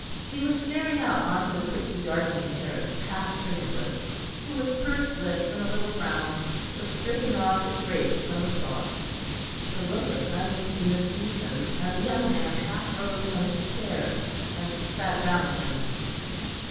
He was staring out on to the quickly darkening terrace, past Sir Nicholas, who with pursed lips and a little frown was stripping off his grapes from the stalk. The look of uneasiness deepened, and the young man half rose from his chair, and sat down again.